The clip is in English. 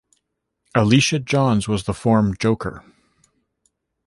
Alicia Johns was the form joker.